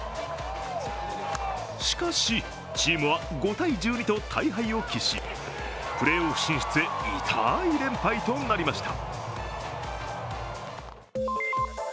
しかしチームは５−１２と大敗を喫しプレーオフ進出へ痛い連敗となりました。